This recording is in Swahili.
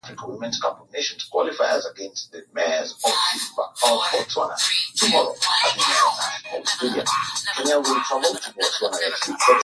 Badala yake alikaa mafichoni huku akiendelea kutuma wasaidizi wake kushawishi watu waamini ulaghai wake